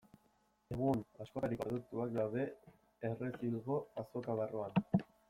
Egun, askotariko produktuak daude Errezilgo Azoka barruan.